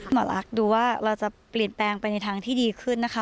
หมอลักษณ์ดูว่าเราจะเปลี่ยนแปลงไปในทางที่ดีขึ้นนะคะ